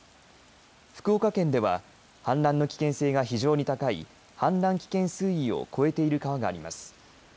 福岡県では氾濫の危険性が非常に高い氾濫危険水位を超えている川があります